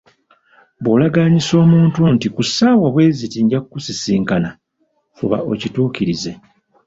Bw'olagaanyisa omuntu nti ku ssaawa bwe ziti nja kukusisinkana, fuba okituukirize.